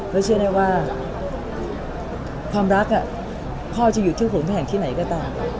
พี่เชื่อแน่ว่าความรักพ่อจะอยู่ทุกคนแผงที่ไหนก็ตาม